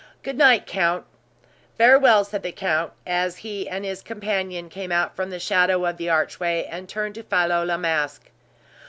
Good night, count." "Farewell," said the count, as he and, his companion came out from the shadow of the archway, and turned to follow La Masque.